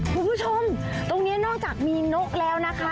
คุณผู้ชมตรงนี้นอกจากมีนกแล้วนะคะ